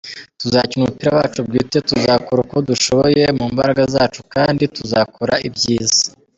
Tuzakina umupira wacu bwite, tuzakora uko dushoboye mu mbaraga zacu kandi tuzakora ibyiza.